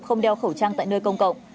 không đeo khẩu trang tại nơi công cộng